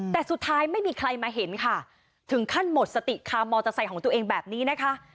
แต่สุดท้ายไม่มีใครมาเห็นค่ะถึงขั้นหมดสติคามอเตอร์ไซค์ของตัวเองแบบนี้นะคะ